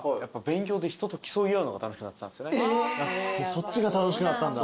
そっちが楽しくなったんだ。